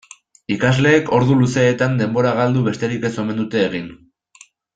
Ikasleek ordu luzeetan denbora galdu besterik ez omen dute egin.